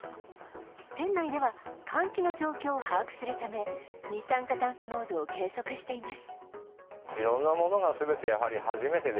店内では換気の状況を把握するため、二酸化炭素濃度を計測しています。